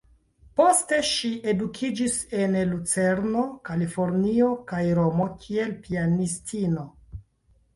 Poste ŝi edukiĝis en Lucerno, Kalifornio kaj Romo kiel pianistino.